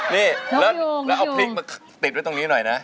นี่แล้วเอาพริกมาติดไว้ตรงนี้หน่อยนะ